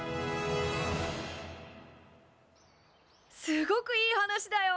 すごくいい話だよ！